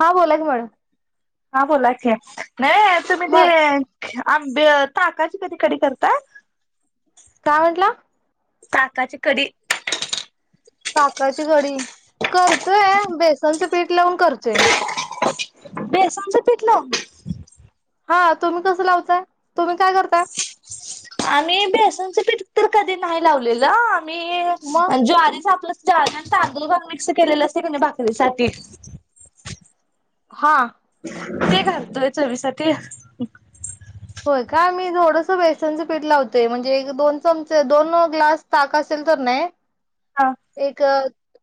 हा. बोला कि मॅडम. [unintelligible] हा. बोला कि. नाही. तुमी ते मग आंब ताकाची कधी कडी करतात. काय म्हंटला? ताकाची कडी ताकाची कडी करतोय. बेसनचं पीठ लावून करतोय. बेसनच पिठ लाऊन? हा. तुम्ही कसं लावताय? तुम्ही काय करताय? आम्ही बेसनचं पीठ तर कधी नाही लावलेलं. मी मग ज्वारीच आपल जान तांदूळ घालून मिक्स केलेलं असतय कनी भाकरीसाठी, हा. ते घालतोय चवीसाठी. होय काय? मी थोडस बेसनचं पीठ लावतोय म्हणजे एक दोन चमचे दोन ग्लास ताक असेल तर नाही एक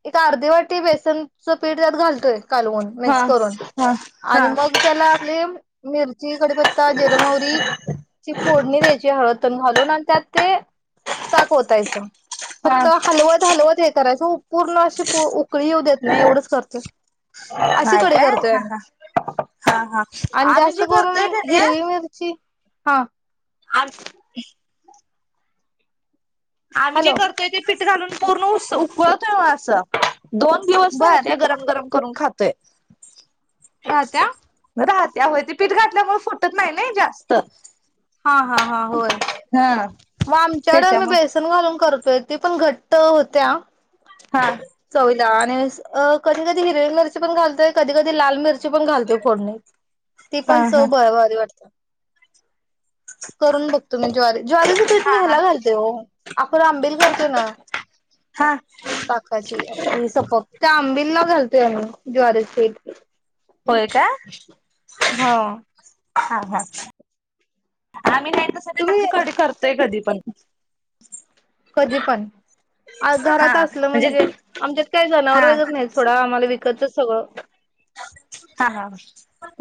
एक अर्धी वाटी बेसनचं पीठ त्यात घालतोय. कालवून, हा मिक्स करुन हा आणि हा मग त्याला आपली मिर्ची कडीपत्ता ची फोडणी द्यायची हळ तून घालून न त्यात ते ताक होतायच हा फक्त हलवत हलवत हे करायचं पूर्ण अशी उकळी येऊ देत नाही एवढच करतोय. अशी हाय कडी काय करतोय हा आम्ही. हा हा हा आणि आम्ही जास्त जे करतोय करून का हिरवी नाही मिर हा. आम्ही जे हॅलो करतोय ते पीठ घालून पूर्णस उकलतो वो असं. दोन दिवस बर राहते गरम गरम करून खात ते. राहत्या? त्यामुळेती पीठ घातल्यामुळे फुटत नाही नाही जास्त. हा हा हा होय हा मग आमच्याकडे मी त्याच्यामुळे बेसन घालून करतो ते पण घट्ट होत्या हा. चवीला आणि अस अ कधी कधी हिरवी मिरची पण घालतेय कधी कधी लाल मिर पण घालते फोडणीत. ती हा पण चव हा ब भारी वाटत. करून बघतो मी ज्वारी ज्वारीचं पीठ हा मी हा ह्याला घालते हो आपण आंबिल करतोय ना हा ताकाची, आपली सफक त्या आंबिलला घाल अ ज्वारी पीठ होय काय? हो. आम्ही नाही. तस ते तुम्ही त्याजी कडी करतोय कधी पण. [inaudible] कधी पण आ घरात असलं म्हणजे आमच्यात काय जनावर हा वगैरे नाही सोडा आम्हाला विक कतच सगळं हा हा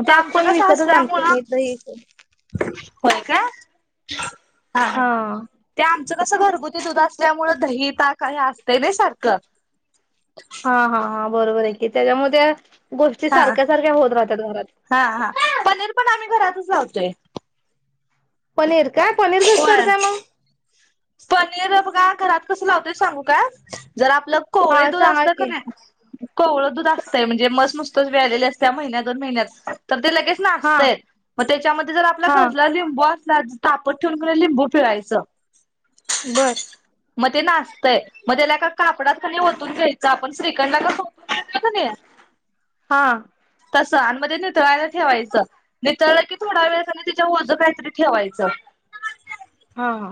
ते ताक आमचं पण कस विकतच आणतोय असल्यामुळं मी दही होय काय? हा त्या कस घरगुती दुध असल्यामुळ दही ताक हे असतंय नय सारखं हा हा हा बरोबर आहे की त्याच्यामुळ त्या गोष्टी हा सारख्या सारख्या होत राहतात घरात हा हा पनीर पण आम्ही घरातच लावतोय. पनीर काय पनीर कस होय. करताय मंग? पनीर बघा घरात कसं लावतोय सांगू का? जर आपलं कोवळे हा दूध सांगा असतं की कानाय कोवळ दूध असतंय म्हणजे मस् नुस्त तोच व्यायलेली असतेया महिन्या दोन महिन्यात तर ते लगेच हा नासतय मग त्याच्यामध्ये जर आपल्या हा घरला लिंबू अस तापत ठेवून कीं नाय लिंबू पिळायचं बर म ते नासतय मग त्याला एका कापडात कनय ओतून घ्यायचं आपण श्रीखंड कस ओतून घेतो कनय हा असं आणि म ते नितळायला ठेवायचं नितळलं की थोड्या वेळ कणय त्याच्यावर ओझं काहीतरी ठेवायचं हा हा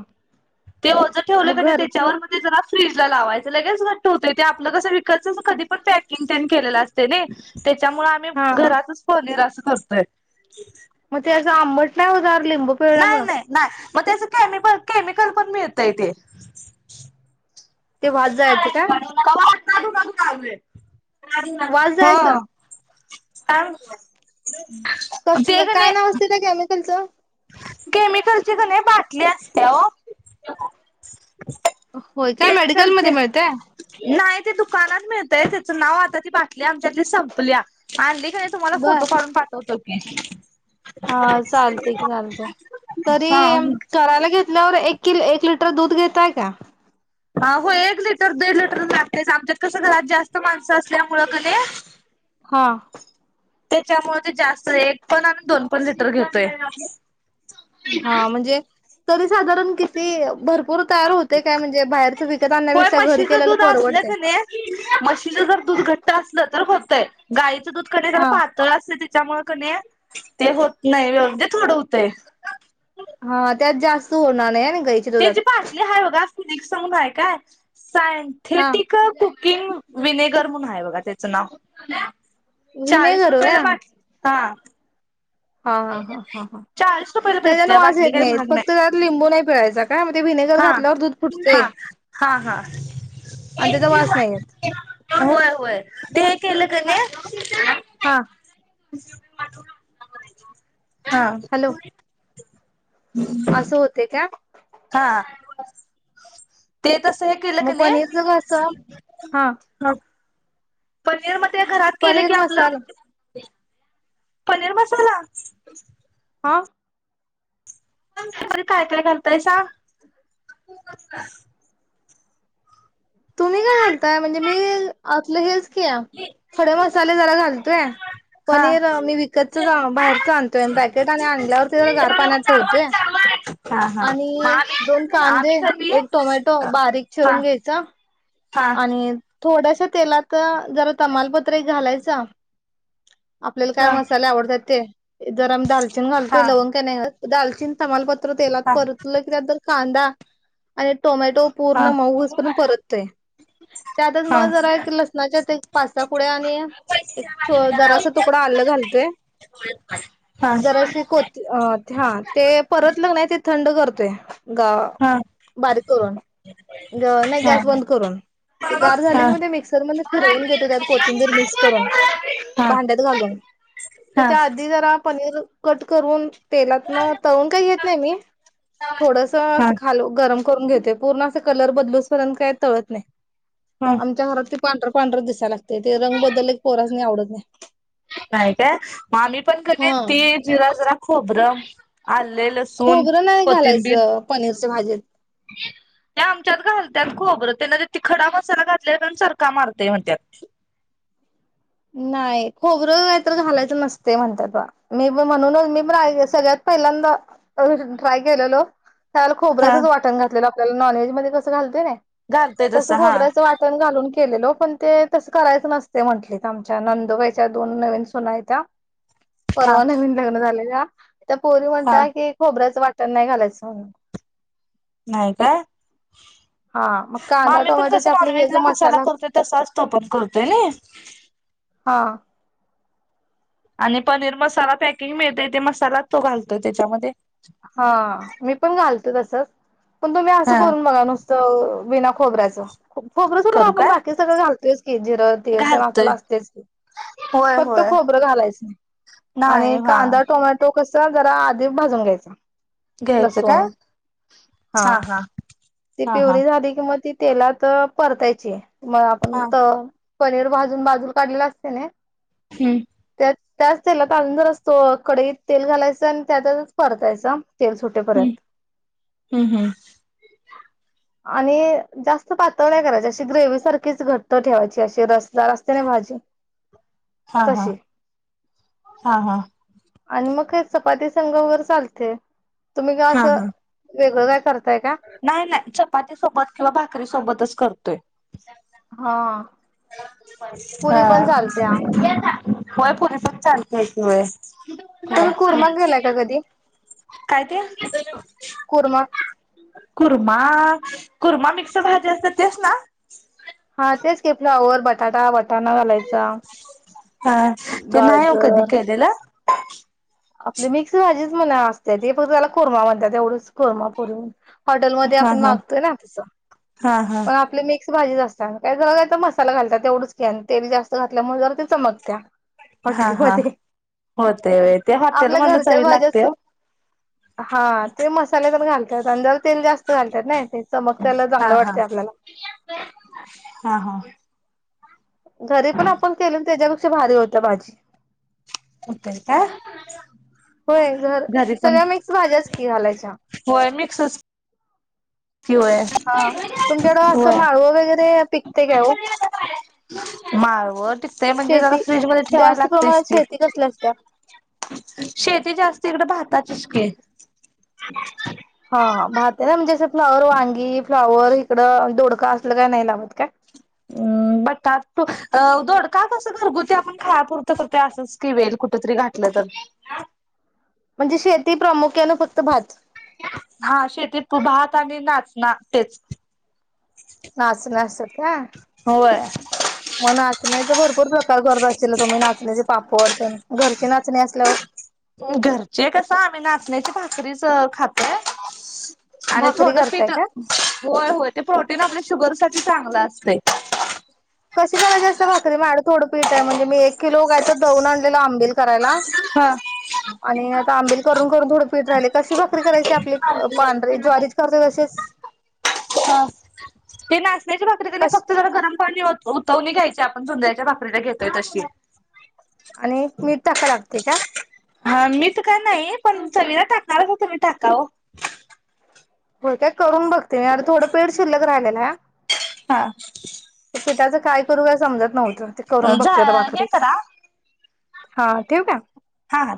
ते वोझं ठेवलं मग कनाय त्याच्यावर घरचं मधे जरा फ्रीज ला लावायचं लगेच घट्ट होतय ते आपलं कसं विकतंच कधी पण पॅकिंग तेन केलेलं असतय नय. त्याच्यामुळे आम्ही हा हा घरातच पनीर अस असतय मग ते असं आंबट नाय होणार. लिंबू नाही पिळल्यामुळं नाही नाही मग त्याच केमिकल, केमिकल पण मिळतय ते ते वाजायचं काय? कडू कडू कारले वास [inaudible] हो जायचा [unintelligible] कसलं, काय नाव असते त्या कॅमिकलचं? [unintelligible] असतेया वो होय काय मेडिकलमधे मिळतय? नाही ते दुकानात मिळतय त्याच नाव आता ती बाटली आमच्यातली संपल्याया, आणली की मी तुम्हाला बर फोटो काढून पाठवतो. [unintelligible] हा चालते की चाल चालतय तरी हा करायला घेतल नवरा एक किल एक लिटर दूध घेतय का? ह हो एक लिटर दीड लिटर लागतेयच आमच्यात कसं घरात जास्त माणसं असल्यामुळं कनय हा त्याच्यामुळे ते जास्त एक पण आणि दोन पण लिटर घेतोय हा म्हणजे तरीच साधारण किती भरपूर तयार होते काय म्हणजे बाहेरच विकत होय आणण्यापेक्षा घरी म्हशीचं केलेला दूध असलं परवडतय कणी म्हशीचं जर दूध घट्ट असलं तर होतय. गाय च दूध कनय हा पातळ असतय त्यामुळे क ते होत नाही म्हणजे थोडं होतय हा त्यात जास्त होणार नाही ना त्याची पाटली आहे बघाली सगून आहे काय ह [inaudible] हा सायंथेटिक कुकिंग विनेगर म्हणून बघा त्याचं नाव चाळीस विनेगर का रुपयाला बाटली हा हा हा ह ह हा चाळीस रुपयाला त्याच्यान भेटत्या वास बाटली येत काही नाही महाग फक्त त्यात लिंबू नाही पिळायचा काय मग ते व्हिनेगर हा घातल्यावर दूध हा फुटतय हा आणि हाय त्याचा वास नाही येत होय ते केलं [unintelligible] हा [unintelligible] हा हम् हॅलो [unintelligible] असं होते काय हा ते तस हे केलं मग क नाही पनीर च कसं हा पनीर म ते घरात केले पनीर की आपलं मसाला पनीर मसाला हा काय काय घालतायसा? तुम्ही काय घालताय म्हणजे मी आतलं हेच थोडे मसाले जरा घालतोय हा पनीर मी विकत बाहेरच आणतोय पॅकेट आणि आणल्यावरती जरा गार पाण्यात ठेवतोय हा हा मग आणि दोन आम्ही कांदे आम्ही कधी एक टोमॅटो हा बारीक हा चिरून घ्यायचा हा आणि थोड्याश्या तेलात जरा तमालपत्र एक घालायच आपल्याला काय हा मसाले आवडतात ते जर आम्ही दालचन घालतोय हा लवंग का नाही घालत दालचिन तमालपत्र तेलात हा परतलं कि त्यात जरा कांदा [unintelligible] आणि टोमॅटो पूर्ण मऊ होउस्तोवर परततोय, त्यातच मग हा जरा लसणाच्या ते एक पाच सहा कुड्या आणिया एक हो जरासा तुकडा आलं घालतोय, जराशी कोथी अ ध्या ते हा परतल नाही ते थंड करतोय ग, हा हा बारीक करून, ग नाही गॅस हा बंद करून, हा ते हा गार झाले हा की मग ते मिक्सरमध्येध्ये हा फिरवून घेतोय त्यात कोथिंबीर मिक्स करून भांड्यात घालून, त्याच्या आधी जरा पनीर कट करून तेलातन तळून काही घेत नाही मी थोडस अस खालुन गरम करून घेतोय पूर्ण अस ते कलर बदलूसपर्यंत काय तळत नाही. आमच्या घरात ते पांढर पांढर दिसाय लागते, ते रंग बदलले की पोरा नाही आवडत जा नाही काय, म आम्ही पण कधी हा तिळ, जिरा जरा खोबर खोबरं नाही घालायचं, पनीर च्या भाजीत. नाही आमच्यात घालत्यात खोबरं, त्यान ते खडा मसाला घातल्यागत चरका मारतय म्हणत्यात. नाही खोबरं नाहीतर घालायचं नसते म्हणतात पहा. मी पण म्हणूनच, मी पण सगळ्यात पहिल्यांदा ट्राय केलेलो - त्यावेळेला हा खोबर्याचच वाटण घातलेलं ला नॉनव्हेज मध्ये कस घालतोय ना घालतय तस तसं हा खोबऱ्याचं वाटण घालून केलेलो, पण ते तसं करायचं नसते म्हंटले. आमच्या नंदुबाईच्या दोन नवीन सुना आहे त्या हा परवा नवीन लग्न झालेल्या. [inaudible] त्या पोरी हा म्हणताय की खोबर्याचं वाट तर नाही घालायचं नाही काय? हा मग म कांदा आम्ही पण कस टोमॅटोचे आपले हे जो नॉनव्हेजला मसाला अस करतोय तसाच तो पण करतोय नाई हा आणि पनीर मसाला पॅकिंग मिळतय, ते मसाला तो घालतोय त्याच्यामध्ये हा मी पण घाल ते तसंच पण तुम्ही असं हा करून बघा नुसतं अ बिना खोबऱ्याच खोबरं सोडून करू आपण का बाकी सगळं घालतोयच की जिर तिळ ते आपलं घालतोय असतेच की, होय फक्त होय खोबरं घालायच नाही नाही आणि हा कांदा टोमॅटो क च जरा आधीच भाजून घ्यायचं चा चा घ्यायचं काय हा हा ती हा हा प्युरी झाली की मग मग ती तेलात परतायची. मग आपण हा त पनीर भाजून बाजून काढलेला असते ना हम्म, त्या त्याच तेलातून अजून जर असतो कढईत तेल घालायचं आणि त्याततच परतायचा तेल हम्म सुटेपर्यंत. हम्म हम्म आणि जास्त पातळ नाही करायचा अशी ग्रेव्ही सारखीच घट्ट ठेवायची अशी रस - जरा रास असतेने भाजी हा हा तशी हा हा आणि मग काय चपाती संगा वर चालते. तुम्ही का हा असं हा वेगळं काय करताय का. नाही नाही चपाती सोबत किंवा भाकरी सोबतच करतोय. हा पुरी हा पण चालत्या होय पुरी सग चालत होय तुम्ही कुर्मा की, केलाय का कधी काय ते? कुर्मा कुर्मा आ कुर्मा मिक्स भाजी असत्या तेच ना? हा तेच की फ्लॉवर बटाटा वटा हा ते नाही ओ कधी गाजर केल्याला. हा आपली मिक्स भाजी त्याला कुर्मा म्हणतात त्याला तेवढंच कुर्मा म्हणतात कुर्मा पुरी हॉटेलमध्ये हा आपण हा मागतोय ना तसं. हा हा. पण आपली मिक्स भाजी असतात काही जरा काय मसाला घातात तेवढंच क आणि तेल जास्त घातल्यामुळे जर ते चमकत्या. हा हा हॉटेलमध्ये होते व ते हॉटेल आपल्या मधले घरच्या चवी भाज्याच लागते वो हा ते मसाले ते घालतात आणि जर तेल जास्त घालतात ना ते चमक त्याला हा चांगलं हा वाटते आपल्याला हा हा. घरी पण आपण केले त्याच्या गोष्टी त्याच्यापेक्षा भारी होती भाजी. होतंय काय? होय, घर सगळ्या मिक्स भाज्याच की घालायच्या. [unintelligible] किव [unintelligible] हा तुमच्याकडं असं व्हय माळव वगैरे पिकते काय हो माळवत पिकतय म्हणजे जरा शेती फ्रीज मध्ये ठेवायला जास्त प्रमाणात लागतयच शेती कसली असत्या? की, शेती जास्त इकड भाताचीच की [unintelligible] हा भात आहे ना म्हणजे असं फ्लावर, वांगी, फ्लावर, इकडं दोडका असलं काय नाही लावत काय? हम् बटाटू, दोडका कसं घरगुती आपण खायापुरत करतोय आसचकी वेल कुठ तरी घातलं तर म्हणजे शेती प्रामुख्यानं फक्त भात. हा शेतीत तू भात आणि नाच ना तेच. हा होय मग नाचण्याच भरपूर प्रकार करत आश्चीला तुम्ही नाचण्याचे पापड तीन घरची नाचणी असल्यावर घरचे कस आम्ही नाचण्याची भाकरीच खातय आणि भाकरी थोडं करताय पित काय? होय होय ते प्रोट ते ना आपल्या शुगर साठी चांगलं असतय कशी करायची असत्या भाकरी माझ्या कड थोडं पीठ आहे म्हणजे मी एक किलो काय तर दळून आणल्यालो आंबील करायला हा आणि आता आंबील करून करून थोड पीट राहिले कशी भाकरी करायची आपली पांढरी ज्वारीच करतोय तशीच खायची भारी कणी कशी फक्त जरा गरम पाणी उत उतवली घ्यायच पण जुंधळ्याच्या भाकरीला घेतोय तशी आणि मीठ टाका लागते का का नाही पण चवीला टाकणार [unintelligible] तुम्ही टाका व होय काय करून बघते मी अर थोडं पिट शिल्लक राहिलेला हा करूया समजत [unintelligible] तर ते करून झा बघते च हे भाकरीच करा हा ठेउ काय हा हा